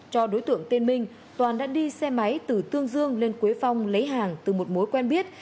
cho đối tượng tên minh toàn đã đi xe máy từ tương dương lên quế phong lấy hàng từ một mối quen biết